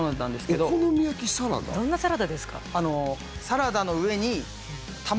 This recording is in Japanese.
どんなサラダですか？